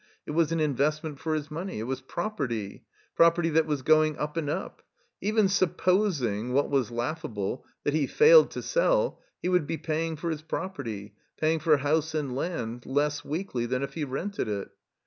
It was an investment for his money. It was property. Property that was going up and up. Even suppos ing — ^what was laughable — ^that he failed to sell — ^he would be paying for his property — paying for house and land — less weekly than if he rented it.